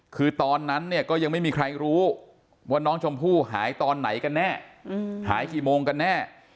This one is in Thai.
คือตอนนั้นเนี่ยก็ยังไม่มีใครรู้ว่าน้องชมพู่หายตอนไหนกันแน่หายกี่โมงกันแน่